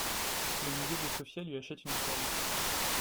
Le musée de Sofia lui achète une toile.